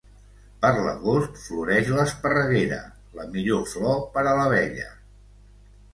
Per l'agost floreix l'esparreguera, la millor flor per a l'abella.